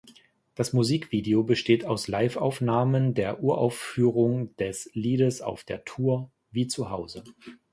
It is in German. Das Musikvideo besteht aus Liveaufnahmen der Uraufführung des Liedes auf der Tour "Wie Zuhause".